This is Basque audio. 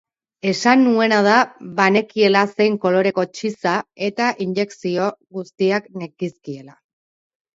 Esan nuena da banekiela zein koloreko txiza eta injekzio guztiak nekizkiela.